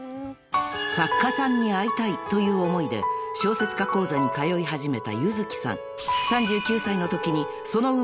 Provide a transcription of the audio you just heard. ［作家さんに会いたいという思いで小説家講座に通い始めた柚月さん］